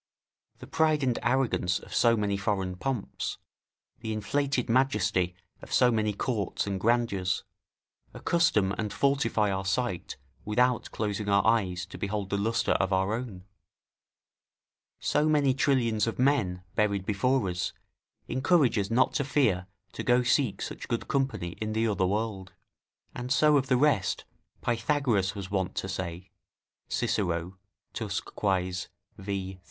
The pride and arrogance of so many foreign pomps, the inflated majesty of so many courts and grandeurs, accustom and fortify our sight without closing our eyes to behold the lustre of our own; so many trillions of men, buried before us, encourage us not to fear to go seek such good company in the other world: and so of the rest Pythagoras was want to say, [Cicero, Tusc. Quaes., v.